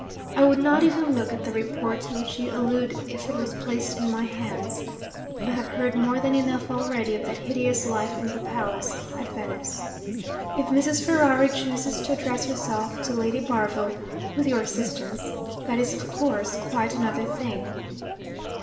I would not even look at the report to which you allude if it was placed in my hands I have heard more than enough already of that hideous life in the palace at Venice. If Mrs. Ferrari chooses to address herself to Lady Barville (with your assistance), that is of course quite another thing.